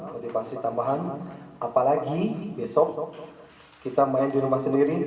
jadi pasti tambahan apalagi besok kita main di rumah sendiri